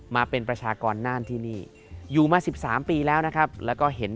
มาเป็นประชากรน่านที่นี่อยู่มา๑๓ปีแล้วนะครับแล้วก็เห็น